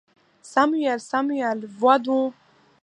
Samuel, Samuel, vois donc !